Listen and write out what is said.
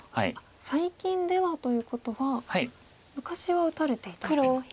最近ではということは昔は打たれていたんですか。